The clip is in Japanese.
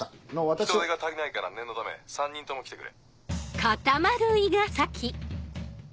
人手が足りないから念のため３人とも来てくれ。